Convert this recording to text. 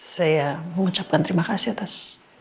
saya mau ucapkan terima kasih atas